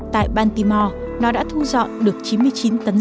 tại baltimore nó đã thu dọn được chín mươi chín tấn rác thải trên sông